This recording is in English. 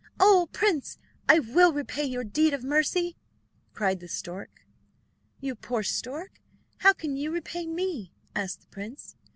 "Oh, prince, I will repay your deed of mercy," cried the stork. "You poor stork! how can you repay me?" asked the prince.